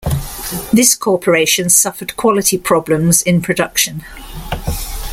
This corporation suffered quality problems in production.